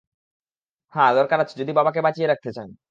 হ্যাঁ দরকার আছে, যদি বাবাকে বাঁচিয়ে রাখতে চান।